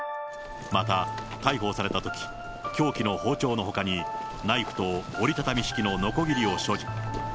また、逮捕されたとき、凶器の包丁のほかに、ナイフと折り畳み式ののこぎりを所持。